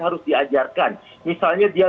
harus diajarkan misalnya dia